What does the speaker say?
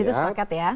di situ sepakat ya